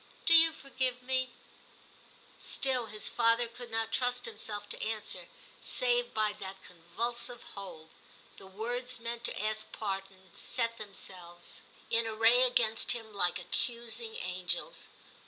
Do you forgive me }' Still his father could not trust himself to answer save by that convulsive hold ; the words meant to ask pardon set themselves 298 TIM CHAP. XII in array against him like accusing angels.